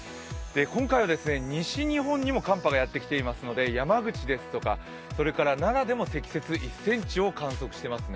今回は西日本にも寒波がやってきていますので山口ですとか奈良でも積雪１ｃｍを観測していますね。